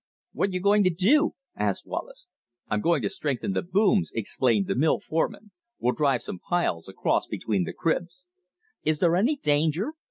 "What you going to do?" asked Wallace. "I got to strengthen the booms," explained the mill foreman. "We'll drive some piles across between the cribs." "Is there any danger?"